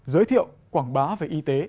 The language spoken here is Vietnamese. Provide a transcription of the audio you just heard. giới thiệu quảng bá về y tế